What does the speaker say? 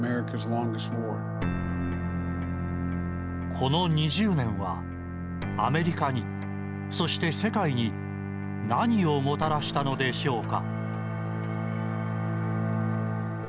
この２０年はアメリカに、そして世界に何をもたらしたのでしょうか。